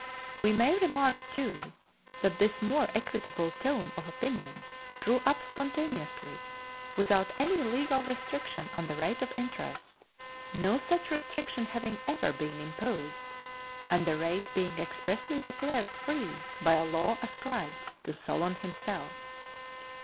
We may remark, too, that this more equitable tone of opinion grew up spontaneously, without any legal restriction on the rate of interest no such restriction having ever been imposed and the rate being expressly declared free by a law ascribed to Solon himself.